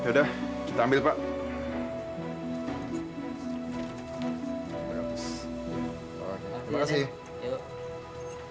anda madasant tidak akan berhubungan dengan sesaatamus